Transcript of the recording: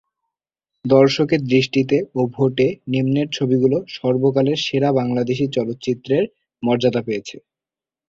দর্শকদের দৃষ্টিতে ও ভোটে নিম্নের ছবিগুলো সর্বকালের সেরা বাংলাদেশী চলচ্চিত্রের মর্যাদা পেয়েছে।